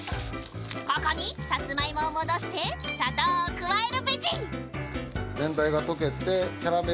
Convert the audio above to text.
ここにサツマイモを戻して砂糖を加えるベジお酢。